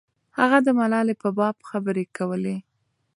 هغه د ملالۍ په باب خبرې کولې.